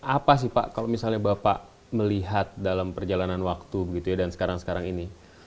apa sih pak kalau misalnya bapak melihat dalam perjalanan waktu begitu ya dan sekarang sekarang ini